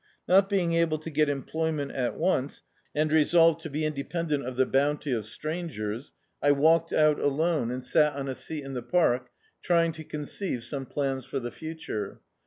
Not being able to get em ployment at once, and resolved to be independent of the bounty of strangers, I walked out alone, and Dn.icdt, Google Manhood sat on a seat in the park, trying to conceive some plans for the future.